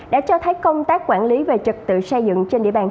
đã cho thấy công tác quản lý về trật tự xây dựng trên địa bàn